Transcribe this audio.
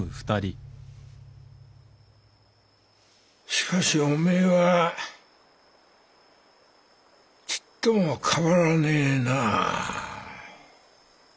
しかしおめえはちっとも変わらねえな。